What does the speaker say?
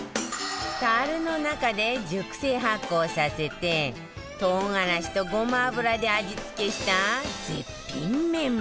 たるの中で熟成発酵させて唐辛子とごま油で味付けした絶品メンマ